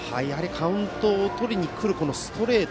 カウントをとりにくるストレート